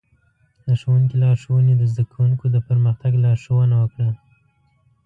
د ښوونکي لارښوونې د زده کوونکو د پرمختګ لارښوونه وکړه.